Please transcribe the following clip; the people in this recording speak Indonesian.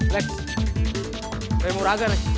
lek remur agar ya